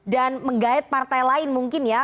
dan menggait partai lain mungkin ya